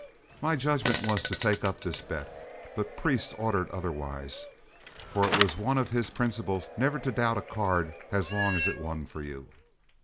My judgment was to take up this bet, but Priest ordered otherwise, for it was one of his principles never to doubt a card as long as it won for you.